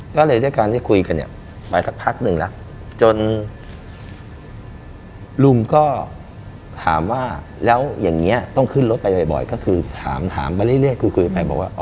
ก็เลยด้วยการที่คุยกันเนี่ยไปสักพักหนึ่งแล้วจนลุงก็ถามว่าแล้วอย่างนี้ต้องขึ้นรถไปบ่อยก็คือถามไปเรื่อยคุยไปบอกว่า